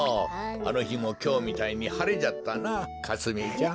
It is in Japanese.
あのひもきょうみたいにはれじゃったなかすみちゃん。